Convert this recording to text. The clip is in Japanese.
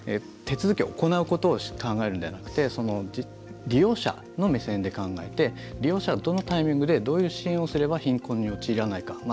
手続きを行うことを考えるのではなくて利用者の目線で考えて利用者は、どのタイミングでどういう支援をすれば貧困に陥らないか。